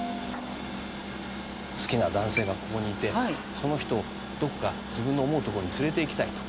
好きな男性がここにいてその人をどこか自分の思うとこに連れていきたいと。